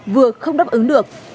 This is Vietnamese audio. vừa không đáp ứng được